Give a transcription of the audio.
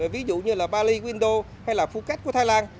ví dụ như bali quyền đô hay phuket của thái lan